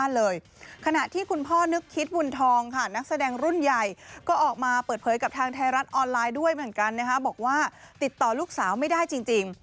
ลูกสาวบอกว่าติดต่อลูกสาวไม่ได้จริง